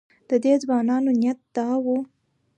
د دې ځوانانو نیت دا و.